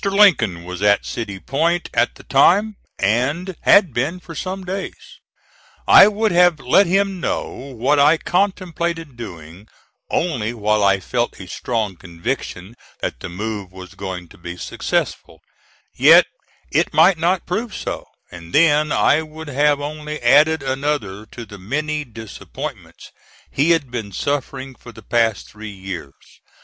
Lincoln was at City Point at the time, and had been for some days. I would have let him know what I contemplated doing, only while I felt a strong conviction that the move was going to be successful, yet it might not prove so; and then I would have only added another to the many disappointments he had been suffering for the past three years.